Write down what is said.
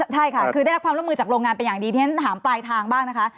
ใช่ค่ะคือได้รับความร่วมมือจากโรงงานเป็นอย่างดีที่ฉันถามปลายทางบ้างนะคะ